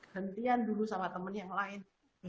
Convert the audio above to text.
hentian dulu sama temen yang lain